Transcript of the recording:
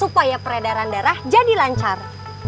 supaya peredaran darah jadi lancar